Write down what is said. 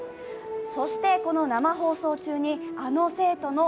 そしてこの生放送中にあの生徒の